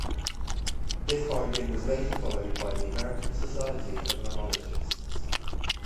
This finding was later followed by the American Society of Mammalogists.